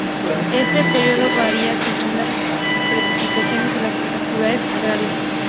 Este período varía según las precipitaciones y las actividades agrarias.